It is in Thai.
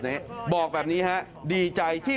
ก็ตอบได้คำเดียวนะครับ